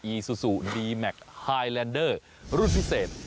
อีซูซูดีแมคไฮแลนเดอร์รุ่นพิเศษ